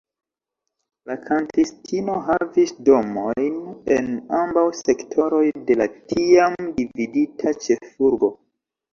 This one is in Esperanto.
La kantistino havis domojn en ambaŭ sektoroj de la tiam dividita ĉefurbo.